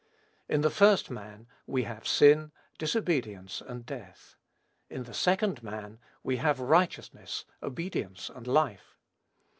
In the first man, we have sin, disobedience, and death. In the Second man, we have righteousness, obedience, and life.